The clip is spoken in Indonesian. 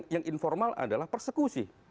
yang informal adalah persekusi